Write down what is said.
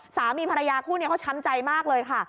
สามีภรรยาคู่นี้เขาช้ำใจมากเลยค่ะ